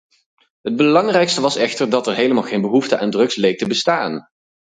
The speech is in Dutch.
Het belangrijkste was echter dat er helemaal geen behoefte aan drugs leek te bestaan.